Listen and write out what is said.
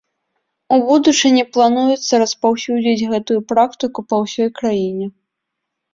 У будучыні плануецца распаўсюдзіць гэтую практыку па ўсёй краіне.